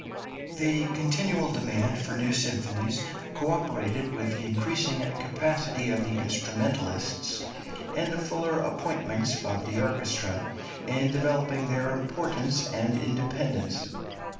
The continual demand for new symphonies co operated with the increasing capacity of the instrumentalists, and the fuller appointments of the orchestra, in developing their importance and independence.